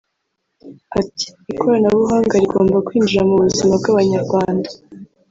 Ati “Ikoranabuhanga rigomba kwinjira mu buzima bw’Abanyarwanda